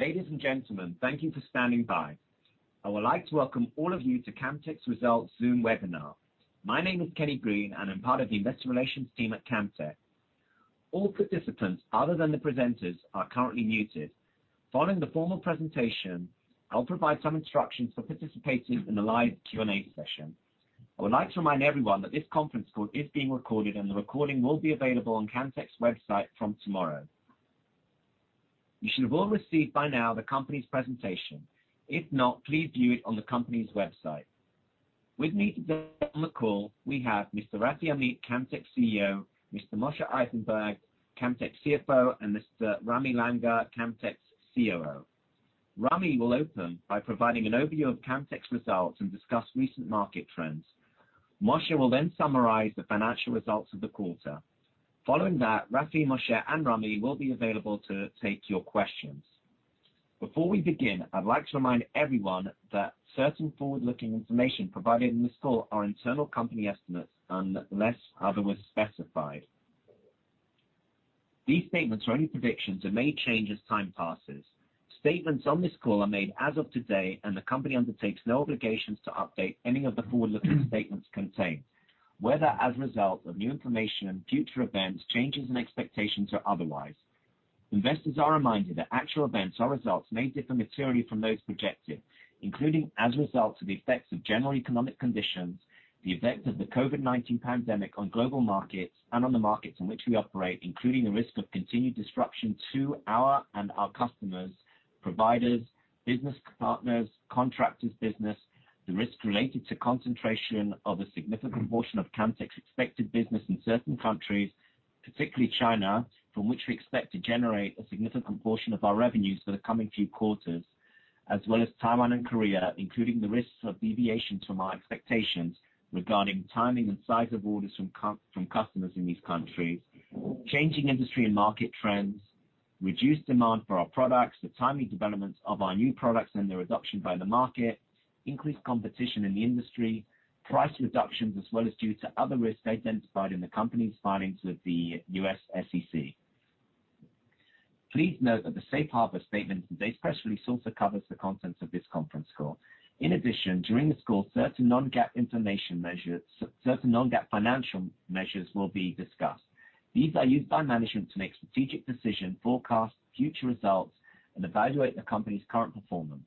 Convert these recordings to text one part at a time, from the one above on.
Ladies and gentlemen, thank you for standing by. I would like to welcome all of you to Camtek's Results Zoom webinar. My name is Kenny Green, and I'm part of the investor relations team at Camtek. All participants other than the presenters are currently muted. Following the formal presentation, I'll provide some instructions for participating in the live Q&A session. I would like to remind everyone that this conference call is being recorded, and the recording will be available on Camtek's website from tomorrow. You should have all received by now the company's presentation. If not, please view it on the company's website. With me today on the call, we have Mr. Rafi Amit, Camtek's CEO, Mr. Moshe Eisenberg, Camtek's CFO, and Mr. Ramy Langer, Camtek's COO. Ramy will open by providing an overview of Camtek's results and discuss recent market trends. Moshe will summarize the financial results of the quarter. Following that, Rafi, Moshe, and Ramy will be available to take your questions. Before we begin, I'd like to remind everyone that certain forward-looking information provided in this call are internal company estimates unless otherwise specified. These statements or any predictions are made changes time passes. Statements on this call are made as of today, the company undertakes no obligations to update any of the forward-looking statements contained, whether as a result of new information, future events, changes in expectations, or otherwise. Investors are reminded that actual events or results may differ materially from those projected, including as a result of the effects of general economic conditions, the effects of the COVID-19 pandemic on global markets and on the markets in which we operate, including the risk of continued disruption to our and our customers', providers, business partners, contractors' business, the risk related to concentration of a significant portion of Camtek's expected business in certain countries, particularly China, from which we expect to generate a significant portion of our revenues for the coming few quarters, as well as Taiwan and Korea, including the risks of deviation from our expectations regarding timing and size of orders from customers in these countries. Changing industry and market trends, reduced demand for our products, the timely developments of our new products and their adoption by the market, increased competition in the industry, price reductions as well as due to other risks identified in the company's filings with the U.S. SEC. Please note that the safe harbor statement in today's press release also covers the contents of this conference call. In addition, during the call, certain non-GAAP financial measures will be discussed. These are used by management to make strategic decision forecasts, future results, and evaluate the company's current performance.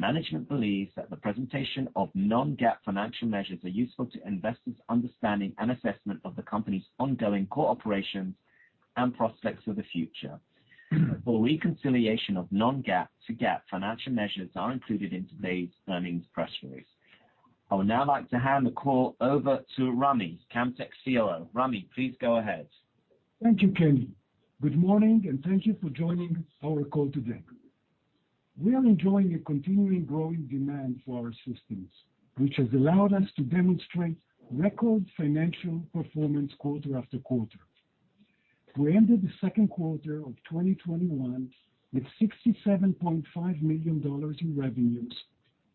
Management believes that the presentation of non-GAAP financial measures are useful to investors' understanding and assessment of the company's ongoing core operations and prospects for the future. For reconciliation of non-GAAP to GAAP financial measures are included in today's earnings press release. I would now like to hand the call over to Ramy, Camtek's COO. Ramy, please go ahead. Thank you, Kenny. Good morning, and thank you for joining our call today. We are enjoying a continuing growing demand for our systems, which has allowed us to demonstrate record financial performance quarter after quarter. We ended the second quarter of 2021 with $67.5 million in revenues,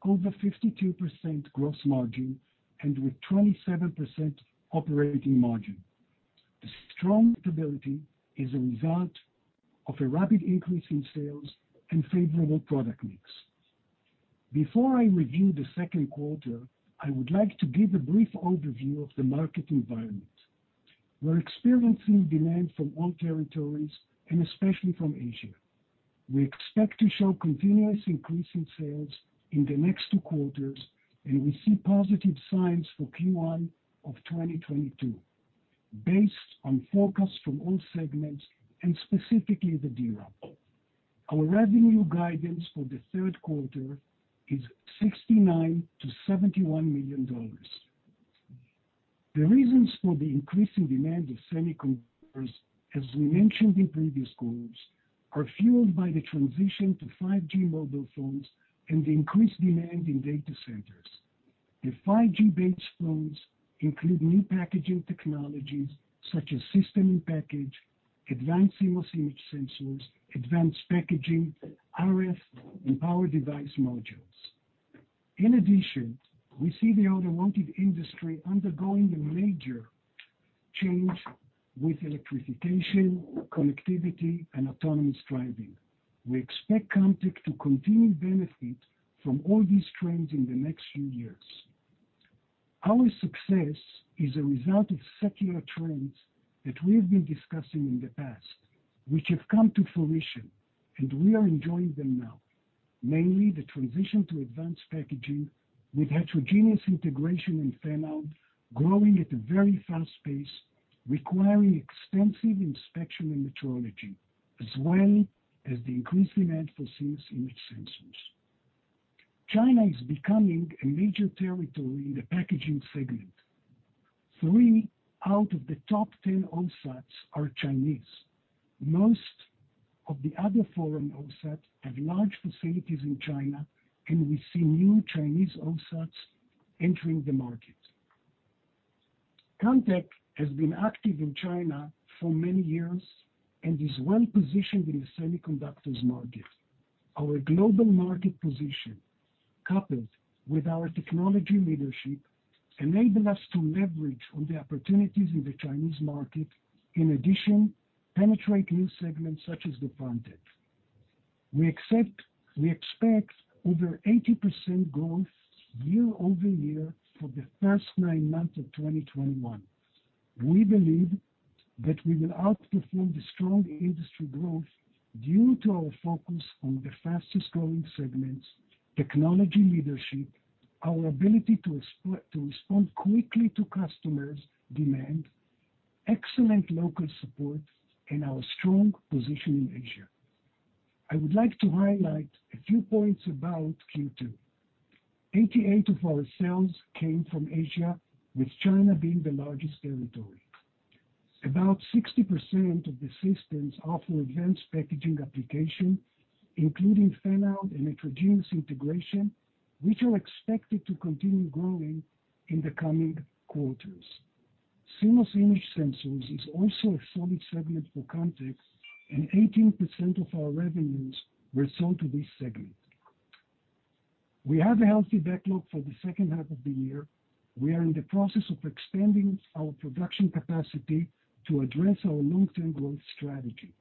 over 52% gross margin, and with 27% operating margin. The strong stability is a result of a rapid increase in sales and favorable product mix. Before I review the second quarter, I would like to give a brief overview of the market environment. We're experiencing demand from all territories, and especially from Asia. We expect to show continuous increase in sales in the next two quarters, and we see positive signs for Q1 of 2022 based on forecasts from all segments, and specifically the DRAM. Our revenue guidance for the third quarter is $69 million-$71 million. The reasons for the increasing demand of semiconductors, as we mentioned in previous calls, are fueled by the transition to 5G mobile phones and the increased demand in data centers. The 5G-based phones include new packaging technologies such as System in Package, advanced CMOS image sensors, advanced packaging, RF, and power device modules. In addition, we see the automotive industry undergoing a major change with electrification, connectivity, and autonomous driving. We expect Camtek to continue to benefit from all these trends in the next few years. Our success is a result of secular trends that we have been discussing in the past, which have come to fruition, and we are enjoying them now. Mainly, the transition to advanced packaging with heterogeneous integration and fan-out growing at a very fast pace, requiring extensive inspection and metrology, as well as the increased demand for CMOS image sensors. China is becoming a major territory in the packaging segment. Three out of the top 10 OSATs are Chinese. Most of the other foreign OSATs have large facilities in China, and we see new Chinese OSATs entering the market. Camtek has been active in China for many years and is well-positioned in the semiconductors market. Our global market position, coupled with our technology leadership, enable us to leverage on the opportunities in the Chinese market. In addition, we penetrate new segments such as the foundry. We expect over 80% growth year-over-year for the first nine months of 2021. We believe that we will outperform the strong industry growth due to our focus on the fastest-growing segments, technology leadership, our ability to respond quickly to customers' demand, excellent local support, and our strong position in Asia. I would like to highlight a few points about Q2. 88% of our sales came from Asia, with China being the largest territory. About 60% of the systems offer advanced packaging application, including fan-out and heterogeneous integration, which are expected to continue growing in the coming quarters. CMOS image sensors is also a solid segment for Camtek, and 18% of our revenues were sold to this segment. We have a healthy backlog for the second half of the year. We are in the process of expanding our production capacity to address our long-term growth strategy.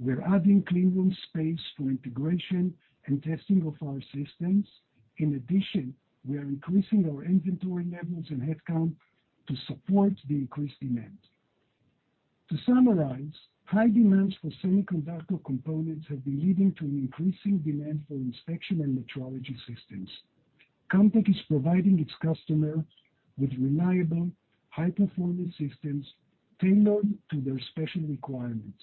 We're adding clean room space for integration and testing of our systems. In addition, we are increasing our inventory levels and headcount to support the increased demand. To summarize, high demands for semiconductor components have been leading to an increasing demand for inspection and metrology systems. Camtek is providing its customer with reliable high-performance systems tailored to their special requirements.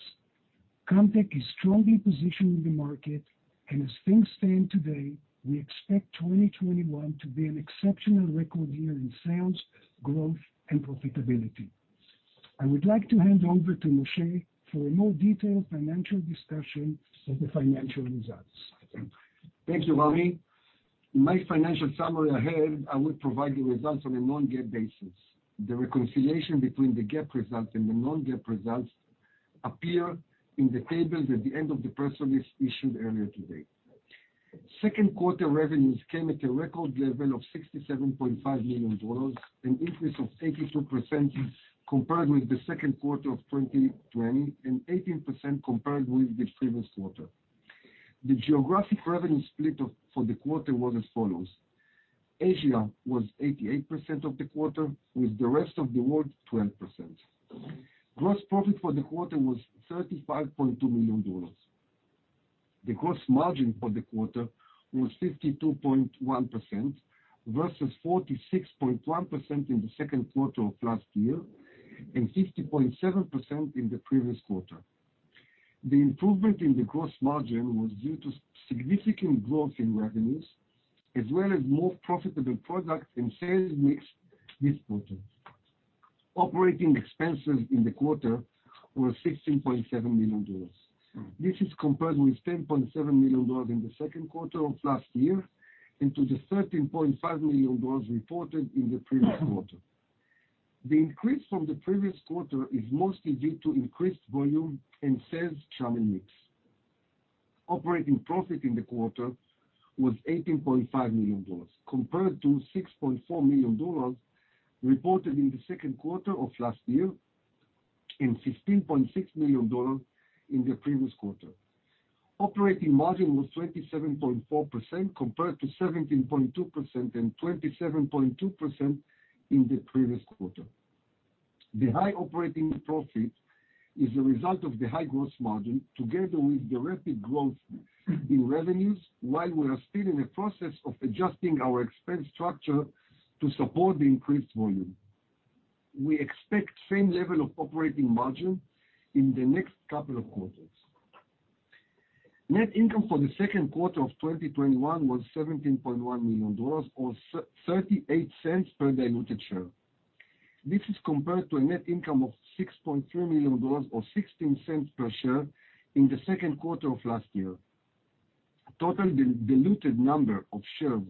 Camtek is strongly positioned in the market, and as things stand today, we expect 2021 to be an exceptional record year in sales, growth, and profitability. I would like to hand over to Moshe for a more detailed financial discussion of the financial results. Thank you, Ramy. In my financial summary ahead, I will provide the results on a non-GAAP basis. The reconciliation between the GAAP results and the non-GAAP results appear in the tables at the end of the press release issued earlier today. Second quarter revenues came at a record level of $67.5 million, an increase of 82% compared with the second quarter of 2020 and 18% compared with the previous quarter. The geographic revenue split for the quarter was as follows: Asia was 88% of the quarter, with the rest of the world 12%. Gross profit for the quarter was $35.2 million. The gross margin for the quarter was 52.1% versus 46.1% in the second quarter of last year and 50.7% in the previous quarter. The improvement in the gross margin was due to significant growth in revenues, as well as more profitable products and sales mix this quarter. Operating expenses in the quarter were $16.7 million. This is compared with $10.7 million in the second quarter of last year and to the $13.5 million reported in the previous quarter. The increase from the previous quarter is mostly due to increased volume and sales channel mix. Operating profit in the quarter was $18.5 million, compared to $6.4 million reported in the second quarter of last year and $15.6 million in the previous quarter. Operating margin was 27.4% compared to 17.2% and 27.2% in the previous quarter. The high operating profit is a result of the high gross margin together with the rapid growth in revenues while we are still in the process of adjusting our expense structure to support the increased volume. We expect same level of operating margin in the next couple of quarters. Net income for the second quarter of 2021 was $17.1 million, or $0.38 per diluted share. This is compared to a net income of $6.3 million or $0.16 per share in the second quarter of last year. Total diluted number of shares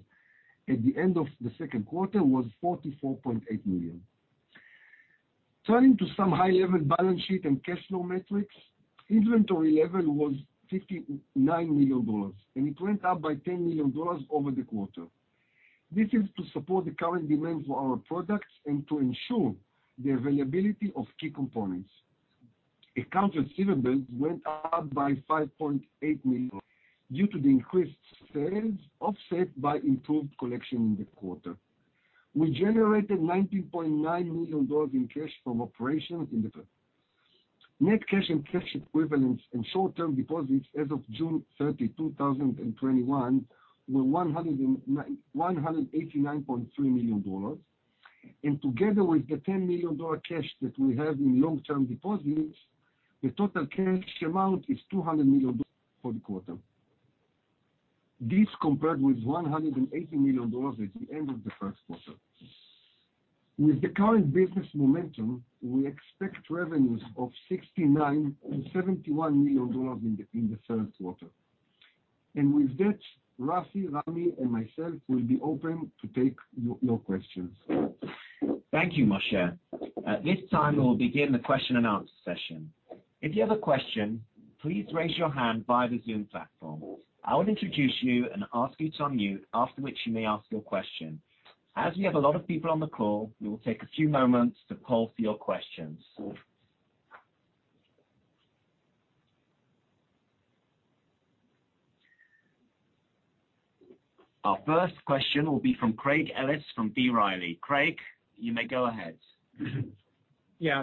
at the end of the second quarter was 44.8 million. Turning to some high-level balance sheet and cash flow metrics. Inventory level was $59 million, and it went up by $10 million over the quarter. This is to support the current demand for our products and to ensure the availability of key components. Account receivables went up by $5.8 million due to the increased sales, offset by improved collection in the quarter. We generated $19.9 million in cash from operations in the quarter. Net cash and cash equivalents and short-term deposits as of June 30, 2021 were $189.3 million, and together with the $10 million cash that we have in long-term deposits, the total cash amount is $200 million for the quarter. This compared with $180 million at the end of the first quarter. With the current business momentum, we expect revenues of $69 million to $71 million in the third quarter. With that, Rafi, Ramy, and myself will be open to take your questions. Thank you, Moshe. At this time, we'll begin the question-and-answer session. If you have a question, please raise your hand via the Zoom platform. I will introduce you and ask you to unmute, after which you may ask your question. As we have a lot of people on the call, we will take a few moments to poll for your questions. Our first question will be from Craig Ellis from B. Riley. Craig, you may go ahead.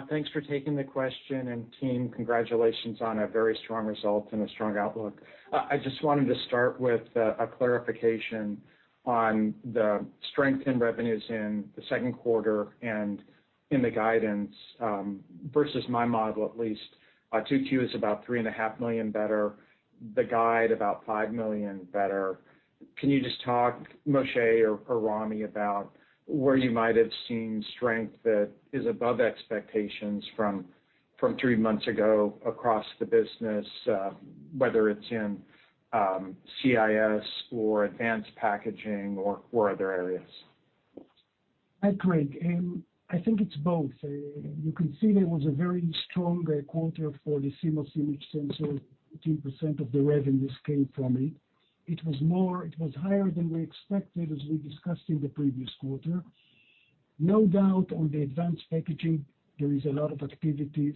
Thanks for taking the question. Team, congratulations on a very strong result and a strong outlook. I just wanted to start with a clarification on the strength in revenues in the second quarter and in the guidance, versus my model, at least. 2Q is about $3.5 Million better, the guide about $5 million better. Can you just talk, Moshe or Ramy, about where you might have seen strength that is above expectations from three months ago across the business, whether it's in CIS or advanced packaging or other areas? Hi, Craig. I think it's both. You can see there was a very strong quarter for the CMOS image sensor, 15% of the revenues came from it. It was higher than we expected, as we discussed in the previous quarter. No doubt on the advanced packaging, there is a lot of activities,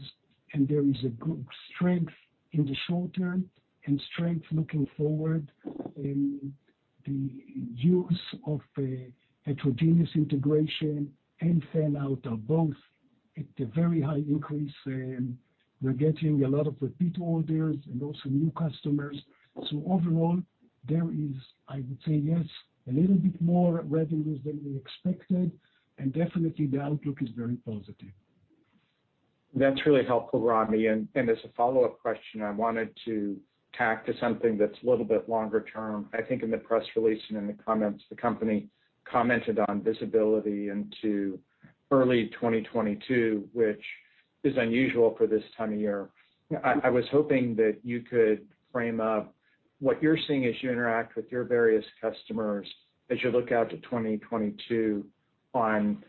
and there is a good strength in the short term and strength looking forward in the use of heterogeneous integration and fan-out are both at a very high increase. We're getting a lot of repeat orders and also new customers. Overall, there is, I would say, yes, a little bit more revenues than we expected, and definitely the outlook is very positive. That's really helpful, Ramy. As a follow-up question, I wanted to tack to something that's a little bit longer term. I think in the press release and in the comments, the company commented on visibility into early 2022, which is unusual for this time of year. I was hoping that you could frame up what you're seeing as you interact with your various customers, as you look out to 2022 on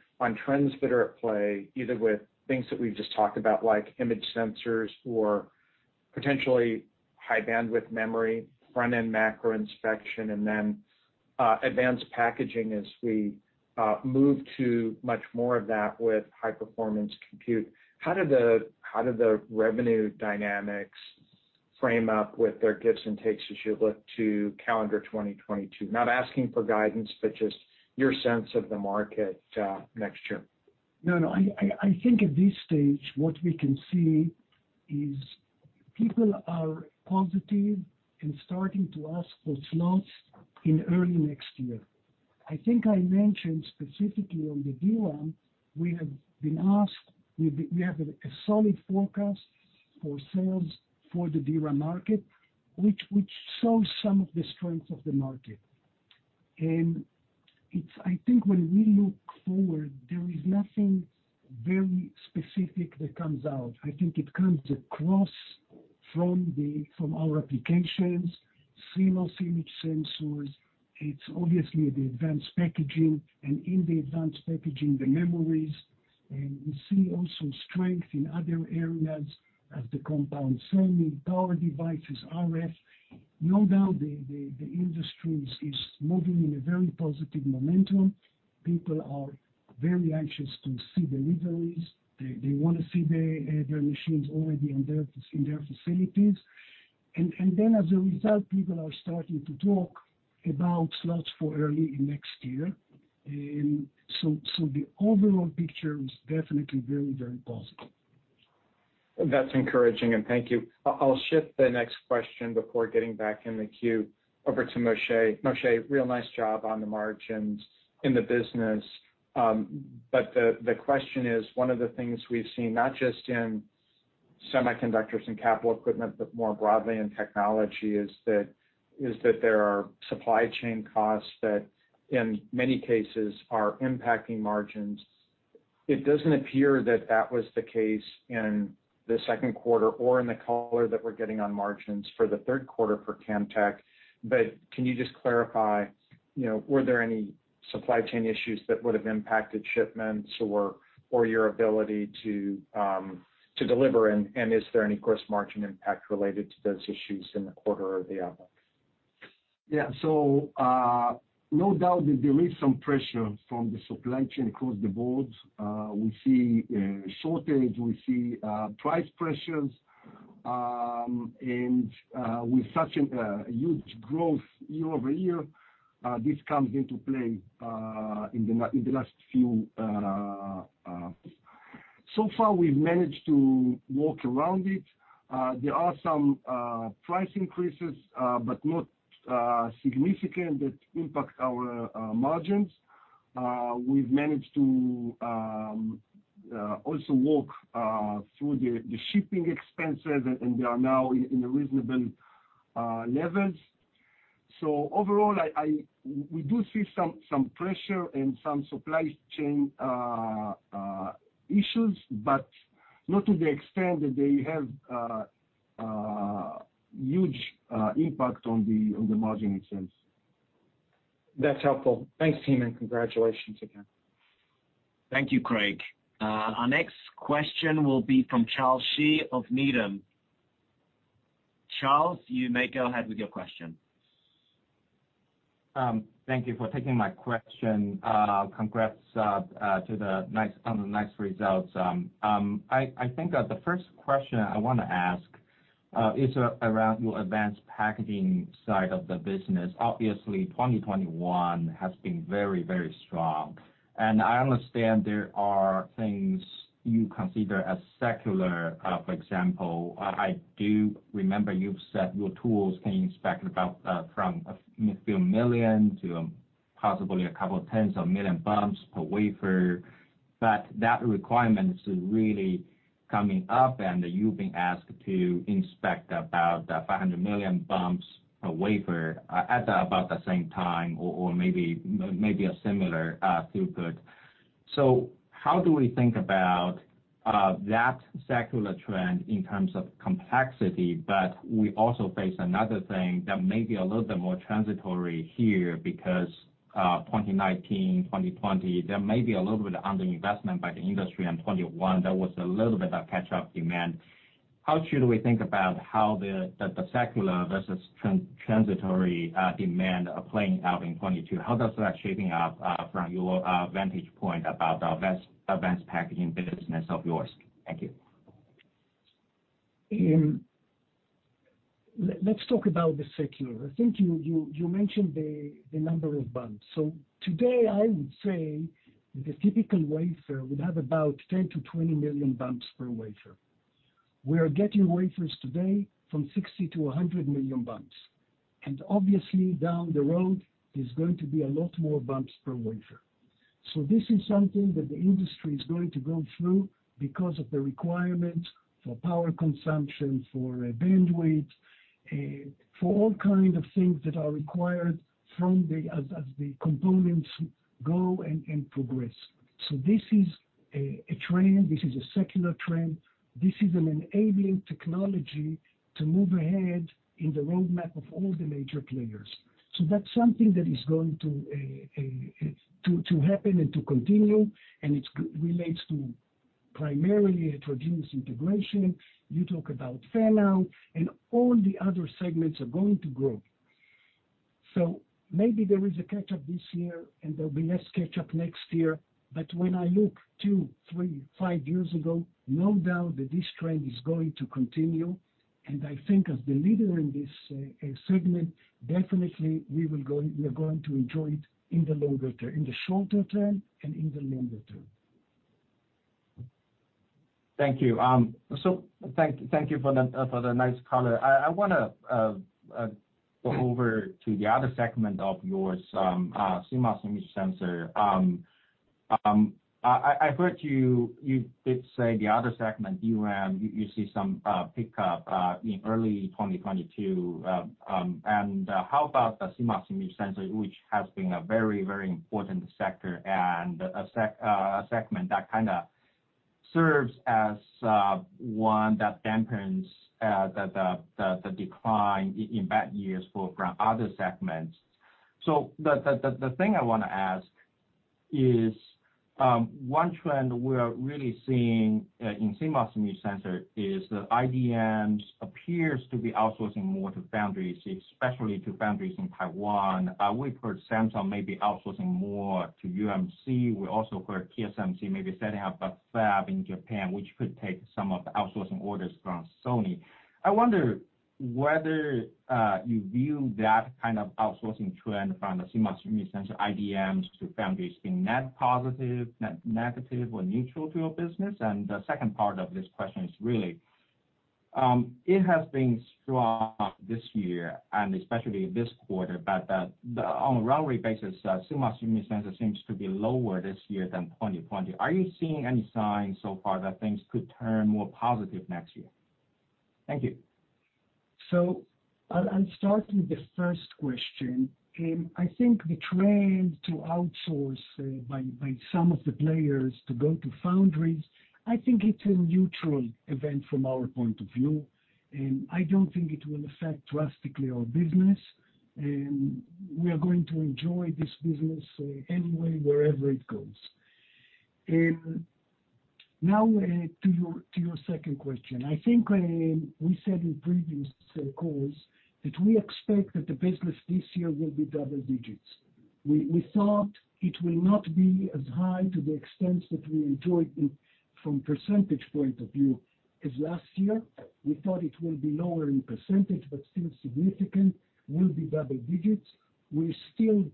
trends that are at play, either with things that we've just talked about, like image sensors or potentially high bandwidth memory, front-end macro inspection, and then advanced packaging as we move to much more of that with high-performance computing. How do the revenue dynamics frame up with their gives and takes as you look to calendar 2022? Not asking for guidance, but just your sense of the market next year. No, I think at this stage, what we can see is people are positive and starting to ask for slots in early next year. I think I mentioned specifically on the DRAM, we have a solid forecast for sales for the DRAM market, which shows some of the strengths of the market. I think when we look forward, there is nothing very specific that comes out. I think it comes across from our applications, CMOS image sensors. It's obviously the advanced packaging, and in the advanced packaging, the memories. We see also strength in other areas as the compound semiconductor, power devices, RF. No doubt, the industry is moving in a very positive momentum. People are very anxious to see deliveries. They want to see their machines already in their facilities. As a result, people are starting to talk about slots for early in next year. The overall picture is definitely very, very positive. That's encouraging and thank you. I'll shift the next question before getting back in the queue over to Moshe. Moshe, real nice job on the margins in the business. The question is, one of the things we've seen, not just in semiconductors and capital equipment, but more broadly in technology, is that there are supply chain costs that in many cases are impacting margins. It doesn't appear that that was the case in the second quarter or in the color that we're getting on margins for the third quarter for Camtek. Can you just clarify, were there any supply chain issues that would have impacted shipments or your ability to deliver, and is there any gross margin impact related to those issues in the quarter or the outlook? Yeah. No doubt that there is some pressure from the supply chain across the board. We see shortage, we see price pressures, and with such a huge growth year-over-year, this comes into play. Far, we've managed to work around it. There are some price increases, but not significant that impact our margins. We've managed to also work through the shipping expenses, and they are now in reasonable levels. Overall, we do see some pressure and some supply chain issues, but not to the extent that they have huge impact on the margin in sense. That's helpful. Thanks team. Congratulations again. Thank you, Craig. Our next question will be from Charles Shi of Needham. Charles, you may go ahead with your question. Thank you for taking my question. Congrats on the nice results. I think that the first question I want to ask is around your advanced packaging side of the business. Obviously, 2021 has been very strong, and I understand there are things you consider as secular. For example, I do remember you've said your tools can inspect from a few million to possibly a couple tens of million bumps per wafer, but that requirement is really coming up, and you've been asked to inspect about 500 million bumps per wafer at about the same time or maybe a similar throughput. How do we think about that secular trend in terms of complexity, but we also face another thing that may be a little bit more transitory here because 2019, 2020, there may be a little bit of underinvestment by the industry in 2021, there was a little bit of catch-up demand. How should we think about how the secular versus transitory demand are playing out in 2022? How does that shaping up from your vantage point about the advanced packaging business of yours? Thank you. Let's talk about the secular. I think you mentioned the number of bumps. Today, I would say the typical wafer would have about 10 million to 20 million bumps per wafer. We are getting wafers today from 60 million to 100 million bumps, and obviously down the road is going to be a lot more bumps per wafer. This is something that the industry is going to go through because of the requirement for power consumption, for bandwidth, for all kind of things that are required as the components go and progress. This is a trend, this is a secular trend. This is an enabling technology to move ahead in the roadmap of all the major players. That's something that is going to happen and to continue, and it relates to primarily to 2.5D integration. You talk about fan-out, and all the other segments are going to grow. Maybe there is a catch-up this year and there'll be less catch-up next year. When I look two, three, five years ago, no doubt that this trend is going to continue, and I think as the leader in this segment, definitely we are going to enjoy it in the shorter term and in the longer term. Thank you for the nice color. I want to go over to the other segment of yours, CMOS image sensor. I've heard you did say the other segment, DRAM, you see some pickup in early 2022. How about the CMOS image sensor, which has been a very important sector and a segment that kind of serves as one that dampens the decline in bad years from other segments. The thing I want to ask is, one trend we are really seeing in CMOS image sensor is the IDMs appears to be outsourcing more to foundries, especially to foundries in Taiwan. We've heard Samsung may be outsourcing more to UMC. We also heard TSMC may be setting up a fab in Japan, which could take some of the outsourcing orders from Sony. I wonder whether you view that kind of outsourcing trend from the CMOS image sensor IDMs to foundries being net positive, negative, or neutral to your business? The second part of this question is really, it has been strong this year and especially this quarter, but on a run rate basis, CMOS image sensors seems to be lower this year than 2020. Are you seeing any signs so far that things could turn more positive next year? Thank you. I'll start with the first question. I think the trend to outsource by some of the players to go to foundries, I think it's a neutral event from our point of view, and I don't think it will affect drastically our business, and we are going to enjoy this business anyway, wherever it goes. Now to your second question. I think we said in previous calls that we expect that the business this year will be double digits. We thought it will not be as high to the extent that we enjoyed it from percentage point of view as last year. We thought it will be lower in percentage, but still significant, will be double digits. We still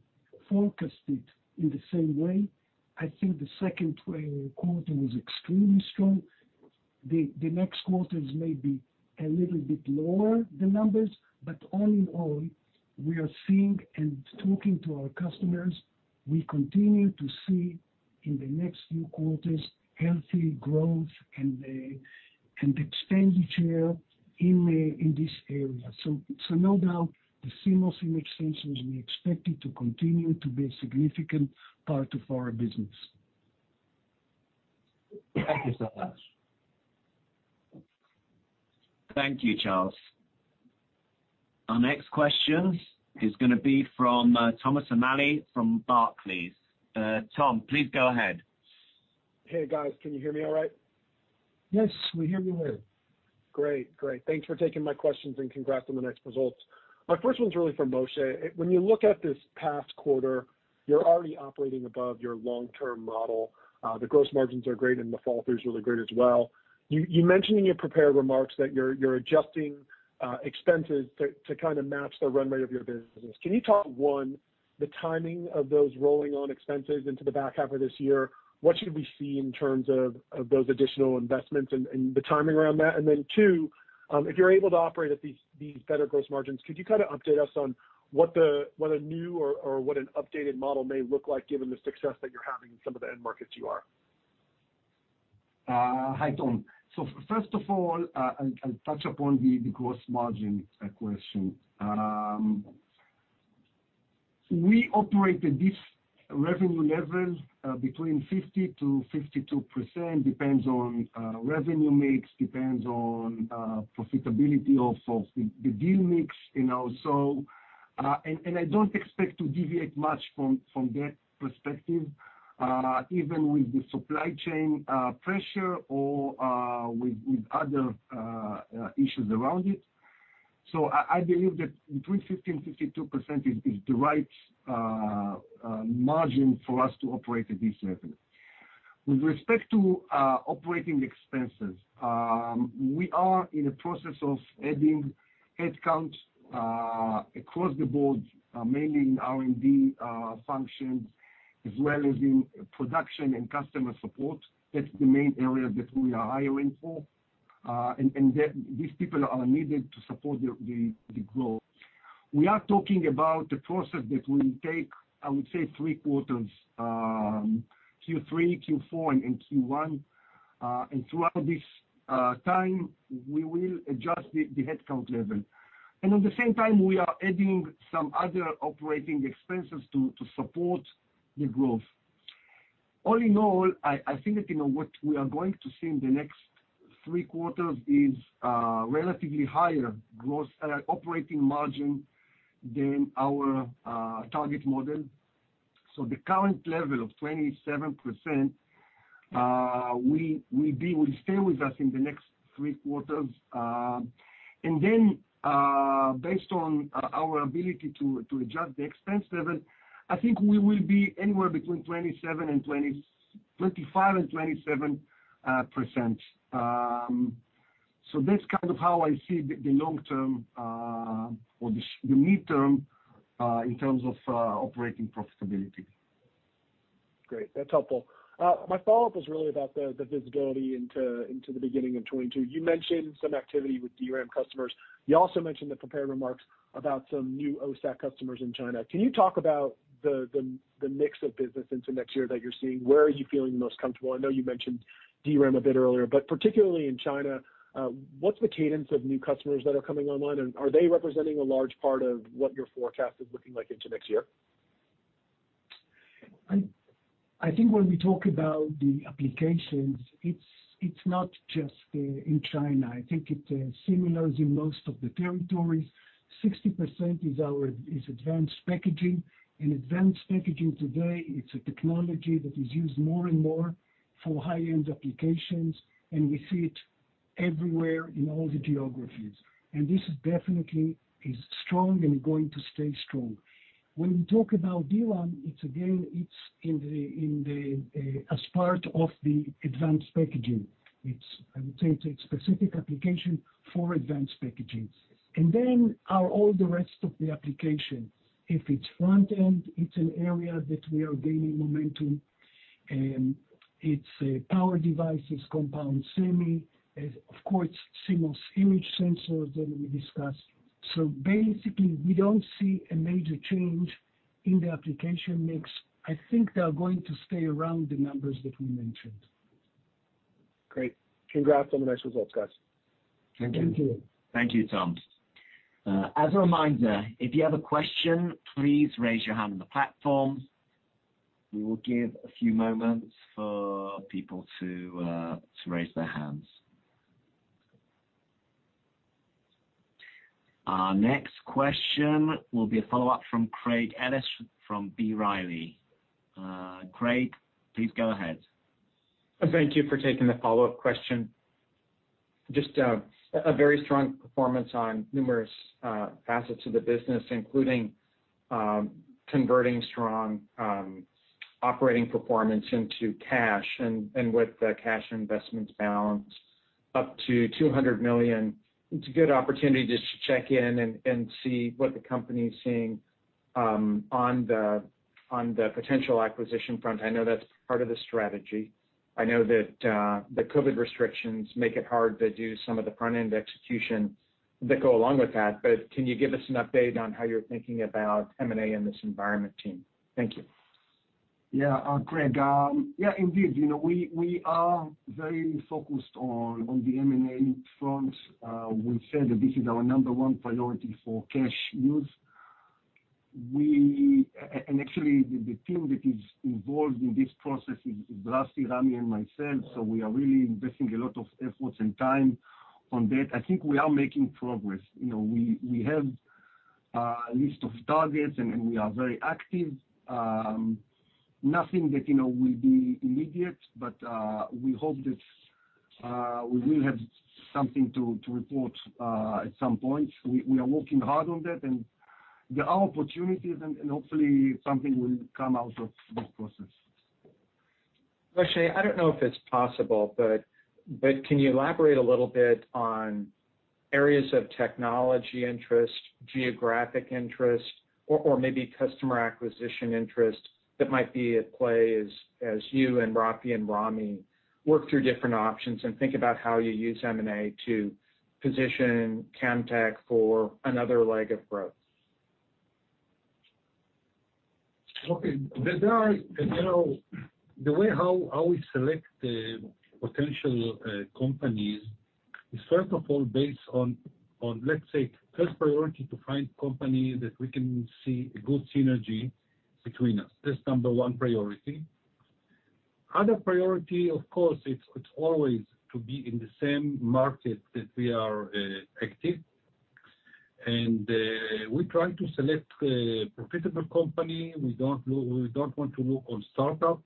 forecast it in the same way. I think the second quarter was extremely strong. The next quarters may be a little bit lower, the numbers, but all in all, we are seeing and talking to our customers. We continue to see in the next few quarters, healthy growth and expenditure in this area. No doubt the CMOS image sensors, we expect it to continue to be a significant part of our business. Thank you so much. Thank you, Charles. Our next question is going to be from Thomas O'Malley from Barclays. Tom, please go ahead. Hey, guys. Can you hear me all right? Yes, we hear you well. Great. Thanks for taking my questions, and congrats on the next results. My first one's really for Moshe. When you look at this past quarter, you're already operating above your long-term model. The gross margins are great, and the flow-through is really great as well. You mentioned in your prepared remarks that you're adjusting expenses to kind of match the run rate of your business. Can you talk, one, the timing of those rolling on expenses into the back half of this year? What should we see in terms of those additional investments and the timing around that? And then two, if you're able to operate at these better gross margins, could you update us on what a new or what an updated model may look like given the success that you're having in some of the end markets you are? Hi, Tom. First of all, I'll touch upon the gross margin question. We operate at this revenue level, between 50%-52%, depends on revenue mix, depends on profitability of the deal mix. I don't expect to deviate much from that perspective, even with the supply chain pressure or with other issues around it. I believe that between 50% and 52% is the right margin for us to operate at this revenue. With respect to operating expenses, we are in a process of adding headcount across the board, mainly in R&D functions, as well as in production and customer support. That's the main area that we are hiring for. These people are needed to support the growth. We are talking about a process that will take, I would say, three quarters, Q3, Q4, and Q1. Throughout this time, we will adjust the headcount level. At the same time, we are adding some other operating expenses to support the growth. All in all, I think that what we are going to see in the next three quarters is relatively higher operating margin than our target model. The current level of 27% will stay with us in the next three quarters. Then, based on our ability to adjust the expense level, I think we will be anywhere between 25% and 27%. That's kind of how I see the long term, or the midterm, in terms of operating profitability. Great. That's helpful. My follow-up is really about the visibility into the beginning of 2022. You mentioned some activity with DRAM customers. You also mentioned the prepared remarks about some new OSAT customers in China. Can you talk about the mix of business into next year that you're seeing? Where are you feeling the most comfortable? I know you mentioned DRAM a bit earlier, but particularly in China, what's the cadence of new customers that are coming online? Are they representing a large part of what your forecast is looking like into next year? I think when we talk about the applications, it's not just in China. I think it is similar in most of the territories. 60% is advanced packaging, and advanced packaging today, it's a technology that is used more and more for high-end applications, and we see it everywhere in all the geographies. This definitely is strong and going to stay strong. When we talk about DRAM, again, it's as part of the advanced packaging. I would say it's a specific application for advanced packaging. Then are all the rest of the applications. If it's front-end, it's an area that we are gaining momentum, it's power devices, compound semiconductor, of course, CMOS image sensors that we discussed. Basically, we don't see a major change in the application mix. I think they are going to stay around the numbers that we mentioned. Great. Congrats on the next results, guys. Thank you. Thank you, Tom. As a reminder, if you have a question, please raise your hand on the platform. We will give a few moments for people to raise their hands. Our next question will be a follow-up from Craig Ellis from B. Riley. Craig, please go ahead. Thank you for taking the follow-up question. Just a very strong performance on numerous facets of the business, including converting strong operating performance into cash. With the cash and investments balance up to $200 million, it's a good opportunity just to check in and see what the company is seeing on the potential acquisition front. I know that's part of the strategy. I know that the COVID restrictions make it hard to do some of the front-end execution that go along with that, but can you give us an update on how you're thinking about M&A in this environment, team? Thank you. Yeah, Craig. Indeed, we are very focused on the M&A front. We said that this is our number one priority for cash use. Actually, the team that is involved in this process is Rafi, Ramy, and myself, so we are really investing a lot of efforts and time on that. I think we are making progress. We have a list of targets. We are very active. Nothing that will be immediate. We hope that we will have something to report at some point. We are working hard on that. There are opportunities. Hopefully something will come out of this process. Moshe, I don't know if it's possible, but can you elaborate a little bit on areas of technology interest, geographic interest, or maybe customer acquisition interest that might be at play as you and Rafi and Ramy work through different options and think about how you use M&A to position Camtek for another leg of growth? Okay. The way how we select the potential companies is, first of all, based on, let's say, first priority to find company that we can see a good synergy between us. That's number one priority. Other priority, of course, it's always to be in the same market that we are active. We try to select a profitable company. We don't want to look on startup.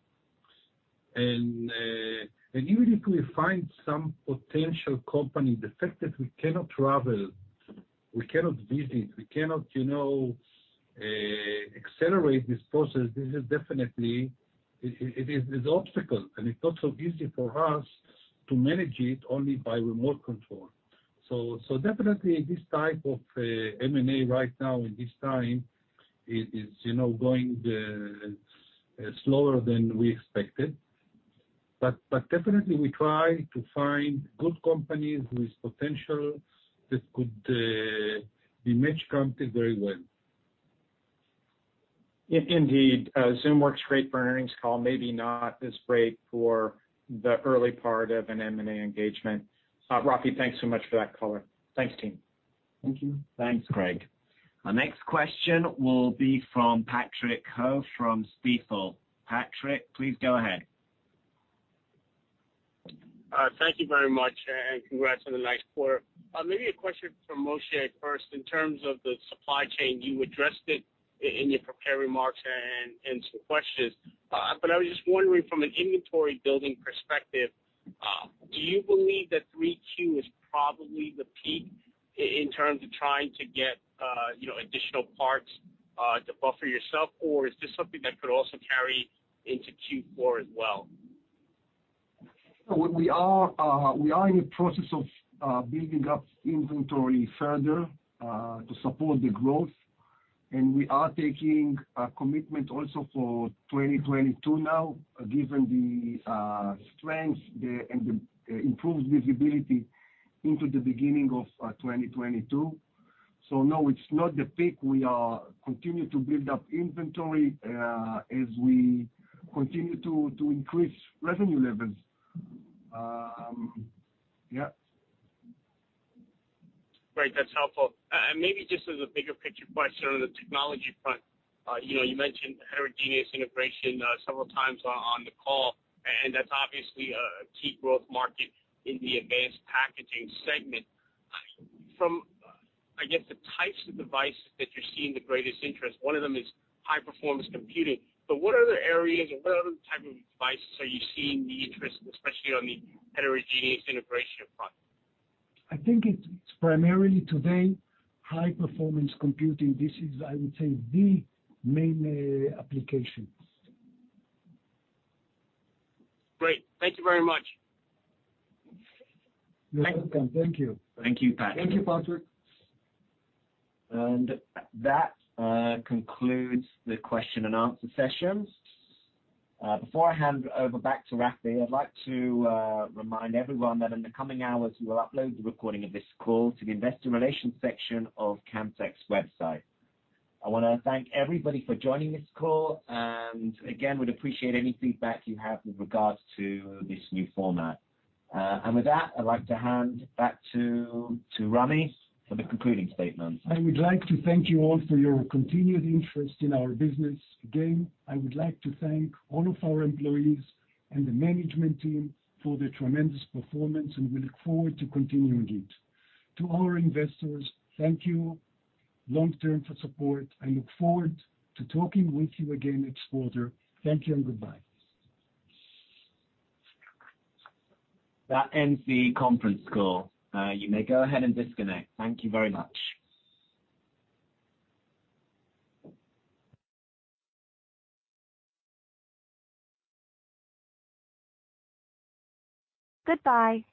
Even if we find some potential company, the fact that we cannot travel, we cannot visit, we cannot accelerate this process, this is definitely It is obstacle, and it's not so easy for us to manage it only by remote control. Definitely, this type of M&A right now in this time is going slower than we expected. Definitely, we try to find good companies with potential that could be matched Camtek very well. Indeed. Zoom works great for an earnings call, maybe not as great for the early part of an M&A engagement. Rafi, thanks so much for that color. Thanks, team. Thank you. Thanks, Craig. Our next question will be from Patrick Ho from Stifel. Patrick, please go ahead. Thank you very much, and congrats on the nice quarter. Maybe a question for Moshe first. In terms of the supply chain, you addressed it in your prepared remarks and some questions. I was just wondering from an inventory building perspective, do you believe that 3Q is probably the peak in terms of trying to get additional parts to buffer yourself? Or is this something that could also carry into Q4 as well? We are in the process of building up inventory further to support the growth, and we are taking a commitment also for 2022 now, given the strength and the improved visibility into the beginning of 2022. No, it's not the peak. We continue to build up inventory as we continue to increase revenue levels. Yeah. Great. That's helpful. Maybe just as a bigger picture question on the technology front. You mentioned heterogeneous integration several times on the call, and that's obviously a key growth market in the advanced packaging segment. From, I guess, the types of devices that you're seeing the greatest interest, one of them is high-performance computing. What other areas, or what other type of devices are you seeing the interest, especially on the heterogeneous integration front? I think it's primarily today high-performance computing. This is, I would say, the main application. Great. Thank you very much. You're welcome. Thank you. Thank you, Patrick. Thank you, Patrick. That concludes the question-and-answer session. Before I hand over back to Rafi, I'd like to remind everyone that in the coming hours, we will upload the recording of this call to the investor relations section of Camtek's website. I want to thank everybody for joining this call, and again, we'd appreciate any feedback you have with regards to this new format. With that, I'd like to hand back to Ramy for the concluding statements. I would like to thank you all for your continued interest in our business. Again, I would like to thank all of our employees and the management team for their tremendous performance, and we look forward to continuing it. To our investors, thank you long-term for support. I look forward to talking with you again at quarter. Thank you and goodbye. That ends the conference call. You may go ahead and disconnect. Thank you very much. Goodbye.